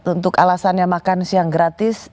untuk alasannya makan siang gratis